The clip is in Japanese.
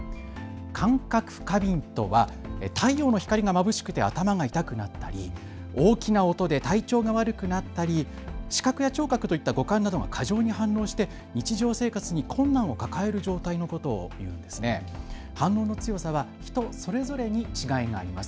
感覚過敏とは太陽の光がまぶしくて頭が痛くなったり、大きな音で体調が悪くなったり、視覚や聴覚といった五感などが過剰に反応して日常生活に困難を抱える状態のことをいいます。